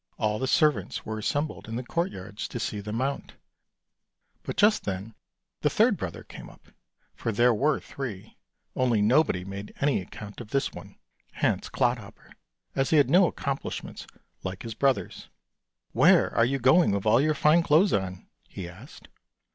All the servants were assembled in the court yards to see them mount, but just then the third brother came up, for there were three, only nobody made any account of this one, Hans Clodhopper, as he had no accomplishments like his brothers. HANS CLODHOPPER 23 " Where are you going with all your fine clothes on? " he asked.